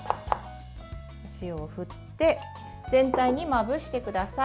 お塩を振って全体にまぶしてください。